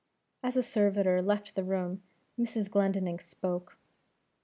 As the servitor left the room, Mrs. Glendinning spoke.